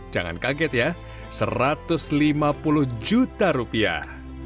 jangan kaget ya satu ratus lima puluh juta rupiah